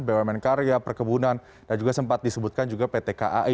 bumn karya perkebunan dan juga sempat disebutkan juga pt kai